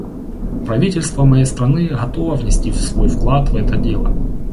Правительство моей страны готово внести свой вклад в это дело.